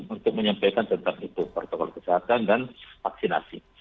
untuk menyampaikan tentang itu protokol kesehatan dan vaksinasi